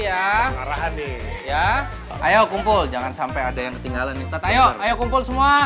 ayo kumpul jangan sampai ada yang ketinggalan ayo kumpul semua